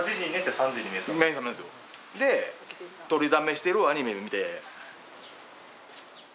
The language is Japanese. でとりだめしてるアニメ見て。